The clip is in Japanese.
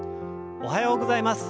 おはようございます。